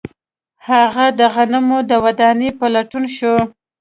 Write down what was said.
هغه د غنمو د دانو په لټون شو